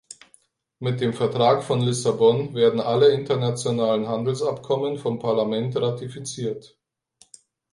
Mit dem Vertrag von Lissabon werden alle internationalen Handelsabkommen vom Parlament ratifiziert.